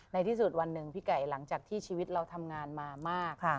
ในที่สุดวันหนึ่งพี่ไก่หลังจากที่ชีวิตเราทำงานมามาก